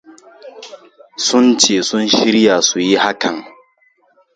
Sun ce sun shirya su yi hakan.